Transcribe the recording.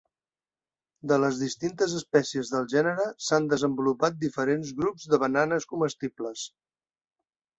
De les distintes espècies del gènere s'han desenvolupat diferents grups de bananes comestibles.